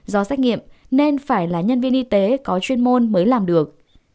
do xét nghiệm nên phải là nhân viên y tế có chuyên môn mới làm được